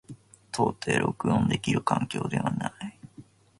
到底録音できる環境ではない。